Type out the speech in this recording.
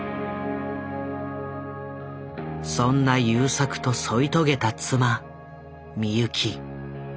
そんな優作と添い遂げた妻美由紀。